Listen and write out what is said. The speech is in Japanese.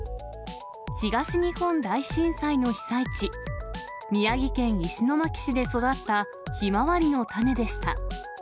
東日本大震災の被災地、宮城県石巻市で育ったヒマワリの種でした。